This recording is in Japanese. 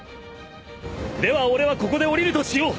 では俺はここで降りるとしよう。